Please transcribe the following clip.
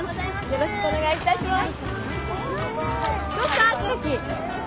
よろしくお願いします。